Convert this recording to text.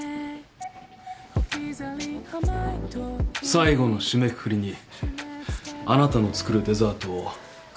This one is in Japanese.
最後の締めくくりにあなたの作るデザートを彼に。